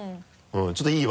ちょっといい？